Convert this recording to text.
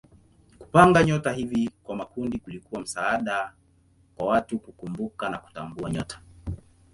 Kupanga nyota hivi kwa makundi kulikuwa msaada kwa watu kukumbuka na kutambua nyota.